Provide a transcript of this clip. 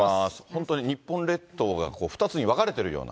本当に日本列島が２つに分かれてるような。